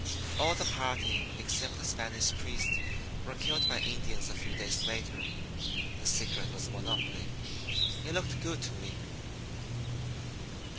All the party except the Spanish priest were killed by Indians a few days later. The secret was a monopoly. It looked good to me.